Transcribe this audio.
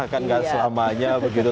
kan gak selamanya begitu